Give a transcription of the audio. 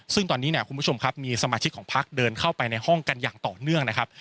ซึ่งตอนนี้เนี่ยคุณผู้ชมครับมีสมาชิกของพักเดินเข้าไปในห้องกันอย่างต่อเนื่องนะครับ